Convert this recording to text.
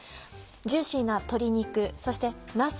ジューシーな鶏肉そしてなす